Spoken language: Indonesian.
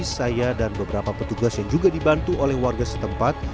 saya dan beberapa petugas yang juga dibantu oleh warga setempat